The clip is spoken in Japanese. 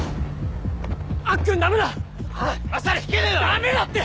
駄目だって！